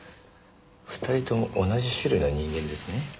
２人とも同じ種類の人間ですね？